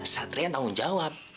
satria yang tanggung jawab